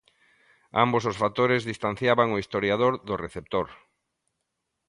Ambos os factores distanciaban o historiador do receptor.